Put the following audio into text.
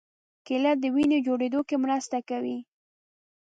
کېله د وینې جوړېدو کې مرسته کوي.